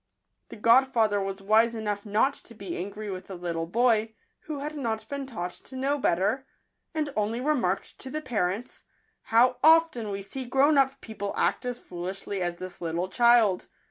The godfather was wise enough not to be angry with the little boy, who had not been taught to know better, and only re marked to the parents, " How often we see grown up people act as foolishly as this little child